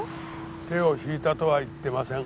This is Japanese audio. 手を引いたとは言ってません。